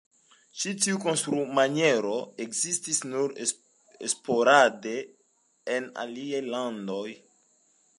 Ĉi tiu konstrumaniero ekzistis nur sporade en aliaj landoj.